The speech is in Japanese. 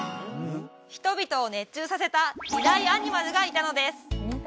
人々を熱中させた２大アニマルがいたのです